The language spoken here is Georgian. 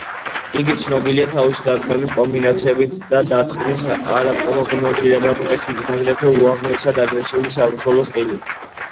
იგი ცნობილია თავისი დარტყმების კომბინაციებით და დარტყმის არაპროგნოზირებადი ტექნიკით, აგრეთვე უაღრესად აგრესიული საბრძოლო სტილით.